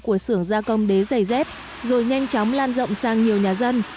của sưởng gia công đế giày dép rồi nhanh chóng lan rộng sang nhiều nhà dân